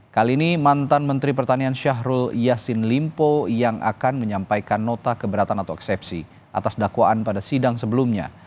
kali ini mantan menteri pertanian syahrul yassin limpo yang akan menyampaikan nota keberatan atau eksepsi atas dakwaan pada sidang sebelumnya